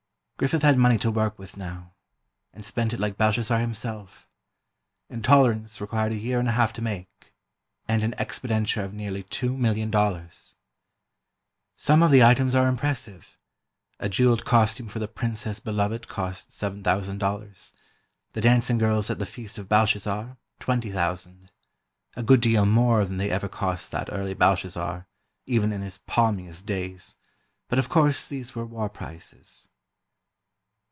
Griffith had money to work with, now, and spent it like Belshazzar himself. "Intolerance" required a year and a half to make, and an expenditure of nearly two million dollars. Some of the items are impressive: A jeweled costume for the "Princess Beloved" cost seven thousand dollars; the dancing girls at the feast of Belshazzar, twenty thousand—a good deal more than they ever cost that early Belshazzar, even in his palmiest days, but of course these were war prices.